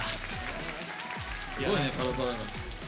すごいねパラパラが。